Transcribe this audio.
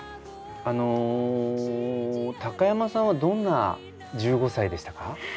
あの高山さんはどんな１５歳でしたか？